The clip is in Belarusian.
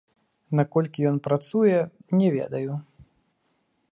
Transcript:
Наколькі ён працуе, не ведаю.